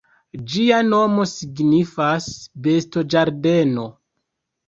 Ĝia nomo signifas "bestoĝardeno".